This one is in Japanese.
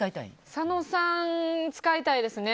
佐野さん使いたいですね。